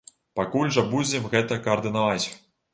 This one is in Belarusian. Пакуль жа будзем гэта каардынаваць.